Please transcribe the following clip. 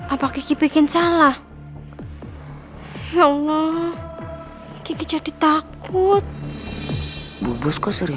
apa ada sesuatu yang gak bisa aku jelasin